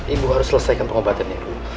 ibu harus selesaikan pengobatannya ibu